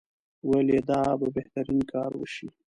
ویل یې دا به بهترین کار وشي.